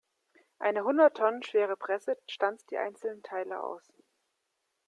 Eine hundert Tonnen schwere Presse stanzt die einzelnen Teile aus.